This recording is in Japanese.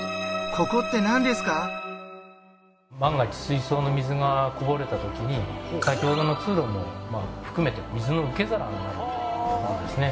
万が一水槽の水がこぼれた時に先ほどの通路も含めて水の受け皿になる所ですね。